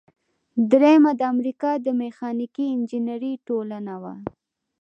دریمه د امریکا د میخانیکي انجینری ټولنه وه.